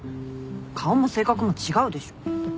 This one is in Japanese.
顔も性格も違うでしょ。